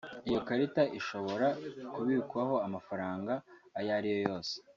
iyo karita ishobora kubikwaho amafaranga ayo ari yo yose